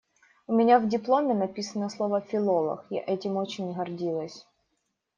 У меня в дипломе написано слово «филолог», я этим очень гордилась.